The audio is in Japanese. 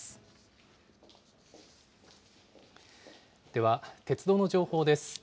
では、鉄道の情報です。